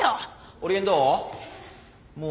オリエンどう？